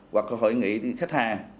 hoặc hội nghị khách hàng